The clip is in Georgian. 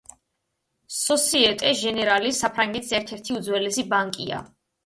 სოსიეტე ჟენერალი საფრანგეთის ერთ-ერთი უძველესი ბანკია.